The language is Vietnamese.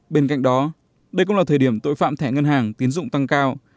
bên cạnh đó đây cũng là thời điểm tội phạm thẻ ngân hàng tiến dụng tăng cao